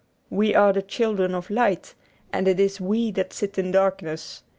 We are the children of light, and it is we that sit in darkness.